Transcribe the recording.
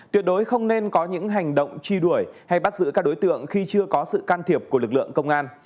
tuyệt đối không nên có những hành động truy đuổi hay bắt giữ các đối tượng khi chưa có sự can thiệp của lực lượng công an